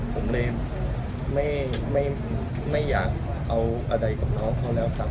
ผมเลยไม่อยากเอาอะไรกับน้องเขาแล้วครับ